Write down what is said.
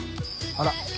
あら！